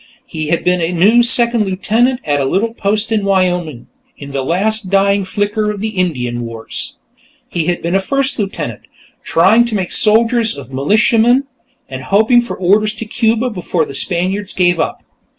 He had been a new second lieutenant at a little post in Wyoming, in the last dying flicker of the Indian Wars. He had been a first lieutenant, trying to make soldiers of militiamen and hoping for orders to Cuba before the Spaniards gave up.